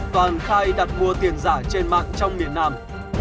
toàn khai đặt mua tiền giả trên mạng trong miền nam